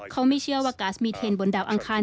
เขาไม่เชื่อว่าก๊าซมีเทนบนดาวอังคาร